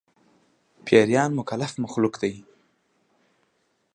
پيريان مکلف مخلوق دي